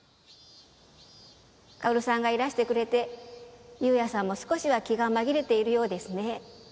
薫さんがいらしてくれて夕也さんも少しは気が紛れているようですね